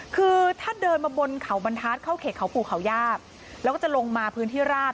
คือถ้าเดินมาบนเขาบรรทัศน์เข้าเขตเขาปู่เขาย่าแล้วก็จะลงมาพื้นที่ราบ